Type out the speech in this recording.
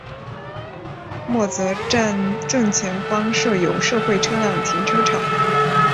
默泽站正前方设有社会车辆停车场。